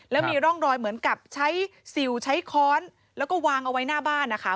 แล้วมีร่องรอยเหมือนกับใช้สิวใช้ค้อนแล้วก็วางเอาไว้หน้าบ้านนะคะ